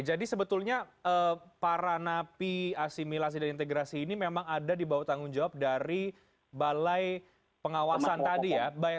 jadi sebetulnya paranapi asimilasi dan integrasi ini memang ada di bawah tanggung jawab dari balai pengawasan tadi ya